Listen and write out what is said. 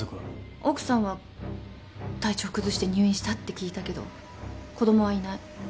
奥さんは体調を崩して入院したって聞いたけど子供はいない。